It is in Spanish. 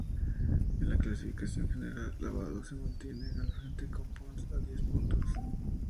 En la clasificación general, Lavado se mantiene al frente con Pons a diez puntos.